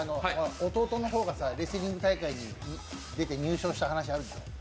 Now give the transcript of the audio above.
弟の方がレスリング大会に出て優勝した話あるでしょ。